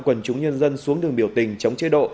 quần chúng nhân dân xuống đường biểu tình chống chế độ